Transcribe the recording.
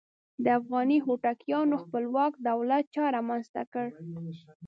د افغاني هوتکیانو خپلواک دولت چا رامنځته کړ؟